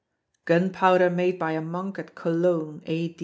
[GUNPOWDER MADE BY A MONK AT COLOGNE A.